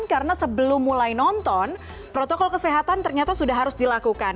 karena sebelum mulai nonton protokol kesehatan ternyata sudah harus dilakukan